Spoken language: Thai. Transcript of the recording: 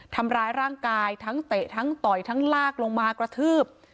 ทำร้ายร่างกายทั้งเตะทั้งต่อยทั้งลากลงมากระทืบ